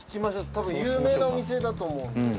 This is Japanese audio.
たぶん有名なお店だと思う。